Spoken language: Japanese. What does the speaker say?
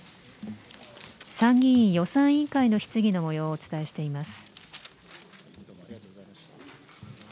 参議院予算委員会の質疑のもようをお伝えしています。